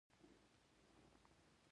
قلم د چاپېریال ښېګڼه بیانوي